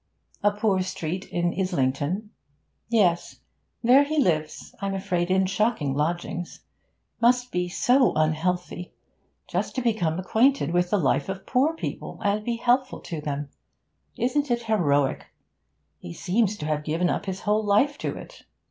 'A poor street in Islington.' 'Yes. There he lives, I'm afraid in shocking lodgings it must be, so unhealthy just to become acquainted with the life of poor people, and be helpful to them. Isn't it heroic? He seems to have given up his whole life to it.